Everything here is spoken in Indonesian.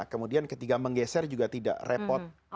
kemudian ketika menggeser juga tidak repot